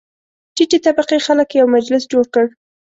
ټیټې طبقې خلک یو مجلس جوړ کړ.